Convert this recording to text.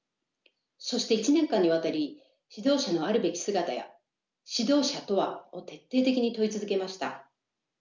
そして１年間にわたり指導者のあるべき姿や指導者とは？を徹底的に問い続けました。